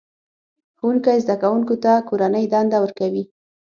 ښوونکی زده کوونکو ته کورنۍ دنده ورکوي